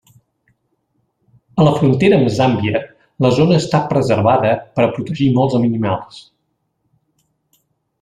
A la frontera amb Zàmbia, la zona està preservada per a protegir molts animals.